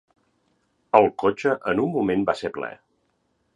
El cotxe en un moment va ser ple